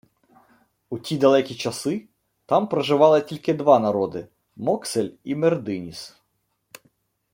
У ті далекі часи там проживали «тільки два народи: Моксель і Мердиніс»